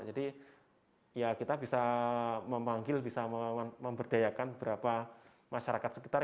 jadi kita bisa memanggil bisa memberdayakan beberapa masyarakat sekitar